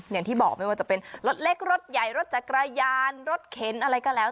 อย่างที่บอกไม่ว่าจะเป็นรถเล็กรถใหญ่รถจักรยานรถเข็นอะไรก็แล้ว